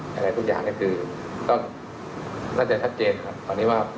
ทั้งทั้งทุกอย่างน่าจะชัดเจน